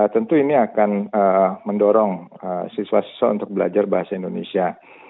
tentu ini akan mendorong siswa siswa untuk belajar bahasa indonesia